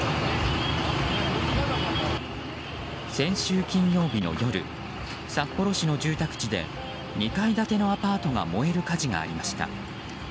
先週金曜日の夜札幌市の住宅地で２階建てのアパートが燃える火事がありました。